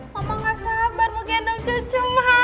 mama gak sabar mau gendong cucu mama